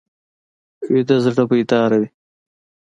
ویده زړه بیداره وي